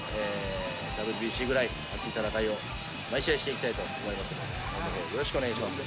ＷＢＣぐらい熱い戦いを、毎試合していきたいと思いますので、応援よろしくお願いします。